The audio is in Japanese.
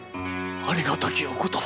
ありがたきお言葉！